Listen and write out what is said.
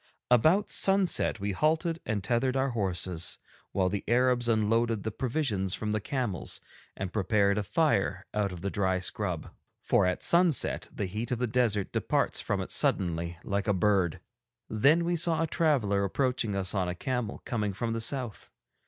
About sunset we halted and tethered our horses, while the Arabs unloaded the provisions from the camels and prepared a fire out of the dry scrub, for at sunset the heat of the desert departs from it suddenly, like a bird. Then we saw a traveller approaching us on a camel coming from the south.